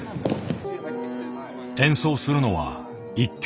演奏するのは１曲。